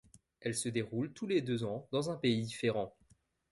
Elle se déroule tous les deux ans dans un pays différent.